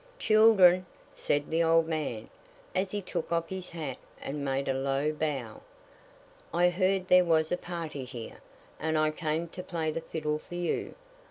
"Children," said the old man, as he took off his hat and made a low bow, "I heard there was a party here, and I came to play the fiddle for you.